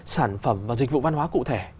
sản phẩm và dịch vụ văn hóa cụ thể